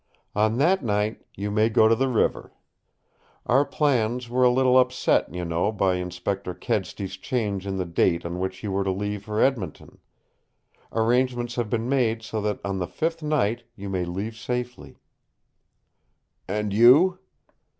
"On that night you may go to the river. Our plans were a little upset, you know, by Inspector Kedsty's change in the date on which you were to leave for Edmonton. Arrangements have been made so that on the fifth night you may leave safely." "And you?"